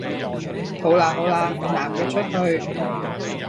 好喇好喇，男嘅出去